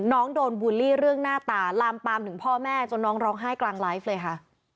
น้องโดนบูลลี่เรื่องหน้าตาลามปามถึงพ่อแม่จนน้องร้องไห้กลางไลฟ์เลยค่ะ